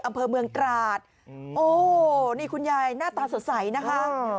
อำเภอเมืองตราดโอ้นี่คุณยายหน้าตาสดใสนะคะ